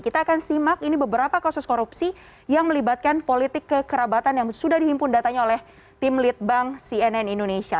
kita akan simak ini beberapa kasus korupsi yang melibatkan politik kekerabatan yang sudah dihimpun datanya oleh tim lead bank cnn indonesia